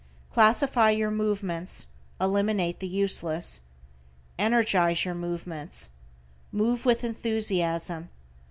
Classify your movements, eliminate the useless. Energize your movements. Move with enthusiasm.